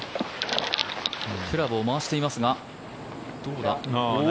クラブを回していますがどうだ。